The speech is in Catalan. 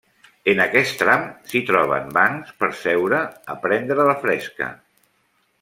En aquest tram s'hi troben bancs per seure a prendre la fresca.